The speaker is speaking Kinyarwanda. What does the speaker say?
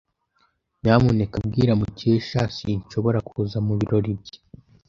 Nyamuneka bwira Mukesha sinshobora kuza mubirori bye.